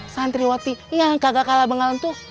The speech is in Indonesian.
santri wati yang kagak kalah bengalan tuh